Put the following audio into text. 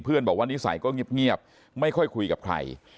บอกว่านิสัยก็เงียบไม่ค่อยคุยกับใคร